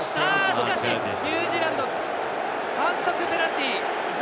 しかしニュージーランド反則、ペナルティー！